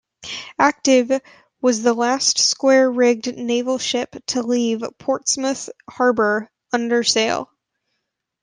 "Active" was the last square-rigged naval ship to leave Portsmouth Harbour under sail.